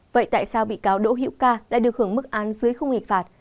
vậy tại sao bị cáo đỗ hữu ca đã được hưởng mức án dưới không hình phạt